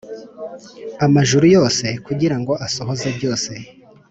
amajuru yose kugira ngo asohoze byose